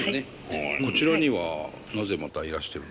こちらにはなぜまたいらしてるんですか？